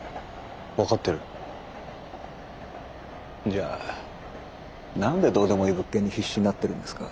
じゃあ何でどうでもいい物件に必死になってるんですか？